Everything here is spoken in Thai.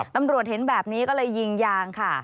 ตำรวจเห็นแบบนี้ก็เลยยิงยางค่ะ